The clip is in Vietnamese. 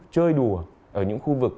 chơi đùa ở những khu vực